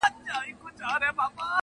له عالمه پټ پنهان د زړه په ویر یم »!!